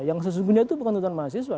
yang sesungguhnya itu bukan tuntutan mahasiswa